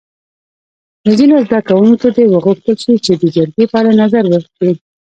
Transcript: له ځینو زده کوونکو دې وغوښتل شي چې د جرګې په اړه نظر ورکړي.